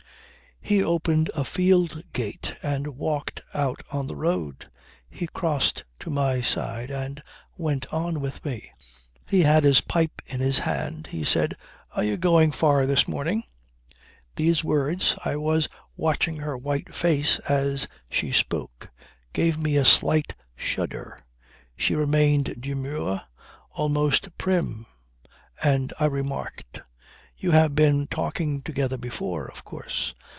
"He opened a field gate and walked out on the road. He crossed to my side and went on with me. He had his pipe in his hand. He said: 'Are you going far this morning?'" These words (I was watching her white face as she spoke) gave me a slight shudder. She remained demure, almost prim. And I remarked: "You have been talking together before, of course."